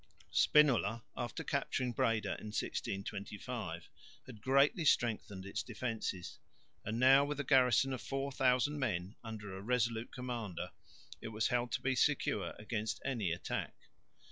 Spinola, after capturing Breda in 1625, had greatly strengthened its defences; and now, with a garrison of 4000 men under a resolute commander, it was held to be secure against any attack.